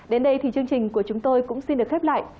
đến đây thì chương trình của chúng tôi cũng xin được khép lại